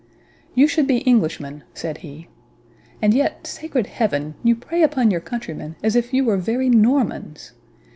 "You should be Englishmen," said he; "and yet, sacred Heaven! you prey upon your countrymen as if you were very Normans.